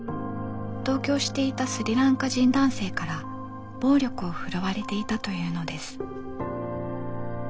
同居していたスリランカ人男性から暴力を振るわれていたというのです。